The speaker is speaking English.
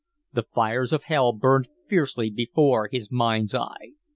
The fires of Hell burned fiercely before his mind's eye.